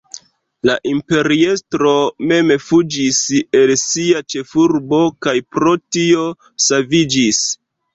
La imperiestro mem fuĝis el sia ĉefurbo kaj pro tio saviĝis.